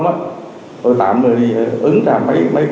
tạm thì ứng ra mấy